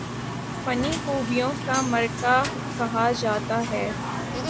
فنی خوبیوں کا مرقع کہا جاتا ہے